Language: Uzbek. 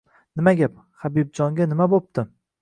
— Nima gap?! Habibjonga nima bo‘pti?!